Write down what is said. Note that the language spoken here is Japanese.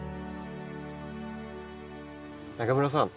永村さん。